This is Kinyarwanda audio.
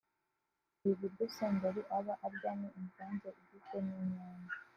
Ibi biryo Senderi aba arya ni imvange igizwe n'inyanya